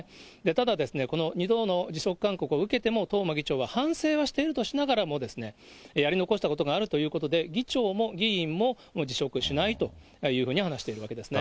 ただ、この２度の辞職勧告を受けても、東間議長は反省はしているとしながらも、やり残したことがあるということで、議長も議員も辞職しないというふうに話しているわけですね。